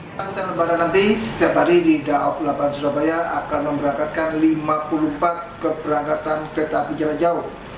angkutan lebaran nanti setiap hari di daob delapan surabaya akan memberangkatkan lima puluh empat keberangkatan kereta api jarak jauh